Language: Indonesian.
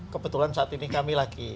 kebetulan saat ini kami lagi